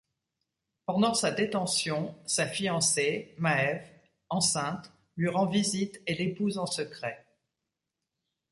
Pendant sa détention, sa fiancée, Maeve, enceinte, lui rend visite et l'épouse en secret.